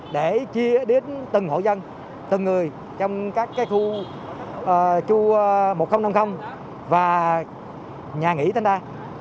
để chia đến từng hộ dân từng người trong các khu chu một nghìn năm mươi và nhà nghỉ thanh đa